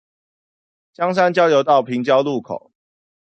香山聯絡道平交路口